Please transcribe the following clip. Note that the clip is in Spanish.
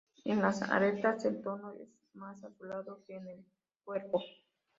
En las aletas el tono es más azulado que en el cuerpo.